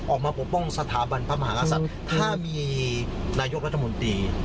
ปกป้องสถาบันพระมหากษัตริย์ถ้ามีนายกรัฐมนตรี